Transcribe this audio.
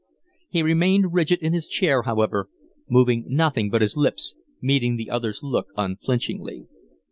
He remained rigid in his chair, however, moving nothing but his lips, meeting the other's look unflinchingly.